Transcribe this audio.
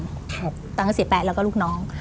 ตอนการเสียแป๊ะแล้วก็ลูกน้อง